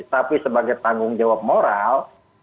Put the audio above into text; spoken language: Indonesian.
tapi sebagai tanggung jawab moral